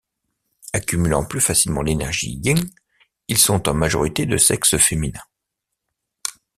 Accumulant plus facilement l'énergie yin, ils sont en majorité de sexe féminin.